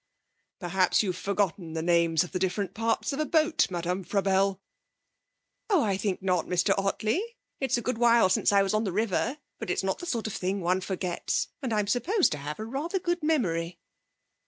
'Perhaps you've forgotten the names of the different parts of a boat. Madame Frabelle?' 'Oh, I think not, Mr Ottley. It's a good while since I was on the river, but it's not the sort of thing one forgets, and I'm supposed to have rather a good memory.'